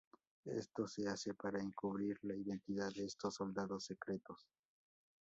Esto se hace para encubrir la identidad de estos ‘soldados secretos’.